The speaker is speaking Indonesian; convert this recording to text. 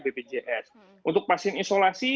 bpjs untuk pasien isolasi